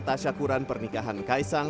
tasya kuran pernikahan kaisang